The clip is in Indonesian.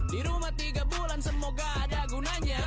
di rumah tiga bulan semoga ada gunanya